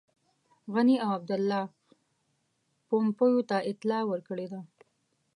غني او عبدالله پومپیو ته اطلاع ورکړې ده.